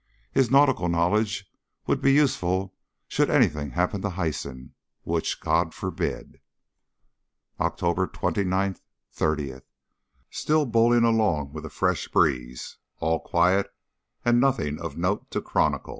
His nautical knowledge would be useful should anything happen to Hyson which God forbid! October 29, 30. Still bowling along with a fresh breeze. All quiet and nothing of note to chronicle.